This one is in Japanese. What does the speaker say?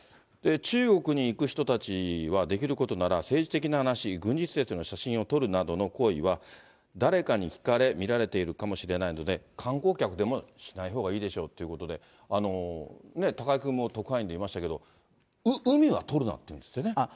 中国に行く人たちはできることなら、政治的な話、軍事施設の写真を撮るなどの行為は誰かに聞かれ、見られているかもしれないので、観光客でもしないほうがいいでしょうということで、高井君も特派員でいましたけど、海は撮るなって言うんですってね。